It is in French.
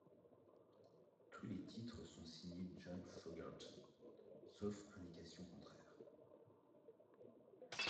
Tous les titres sont signés John Fogerty, sauf indications contraires.